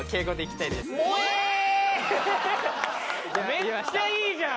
めっちゃいいじゃん